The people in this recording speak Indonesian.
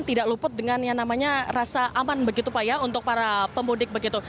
tidak luput dengan yang namanya rasa aman begitu pak ya untuk para pemudik begitu